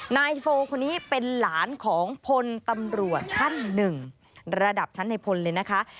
นายโฟคนนี้เป็นหลานของพลตำรวจท่านหนึ่งระดับชั้นในพลเลยนะคะ